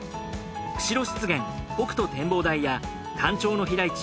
釧路湿原・北斗展望台やタンチョウの飛来地